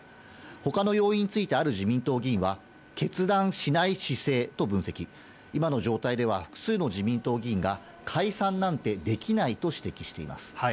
他の要因についてある自民党議員は決断しない姿勢と分析、今の状態では複数の自民党議員が解散なんてできないと指摘しています。